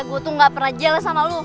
gue tuh gak pernah jealous sama lu